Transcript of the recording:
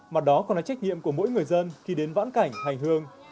mà đó còn là trách nhiệm của mỗi người dân khi đến vãn cảnh hành hương